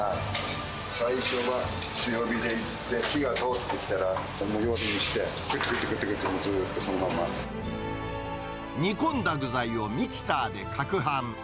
最初は強火でいって、火が通ってきたら、弱火にして、で、煮込んだ具材をミキサーでかくはん。